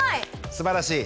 すばらしい。